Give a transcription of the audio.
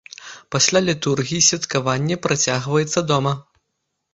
Пасля літургіі святкаванне працягваецца дома.